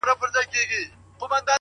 ســتا لپـــاره خــــو دعـــــا كـــــړم؛